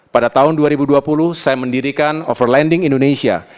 pada tahun dua ribu dua puluh saya mendirikan overlanding indonesia